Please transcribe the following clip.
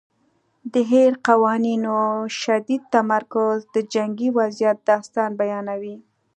د هیر قوانینو شدید تمرکز د جنګي وضعیت داستان بیانوي.